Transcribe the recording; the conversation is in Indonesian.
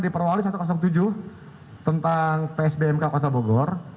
di perwali satu ratus tujuh tentang psbmk kota bogor